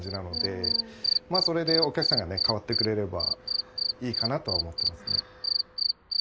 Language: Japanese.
それでお客さんがね変わってくれればいいかなとは思ってますね。